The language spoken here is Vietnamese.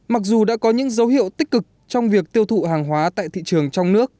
mặc dù đã có những dấu hiệu tích cực trong việc tiêu thụ hàng hóa tại thị trường trong nước